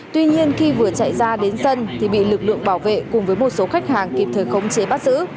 tuy nhiên khi vừa chạy ra đến sân thì bị lực lượng bảo vệ cùng với một số khách hàng kịp thời khống chế bắt giữ